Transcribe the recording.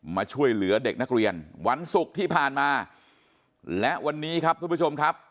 มาช่วยเหลือเด็กนักเรียนวันศุกร์ที่ผ่านมาและวันนี้ครับทุกผู้ชมครับ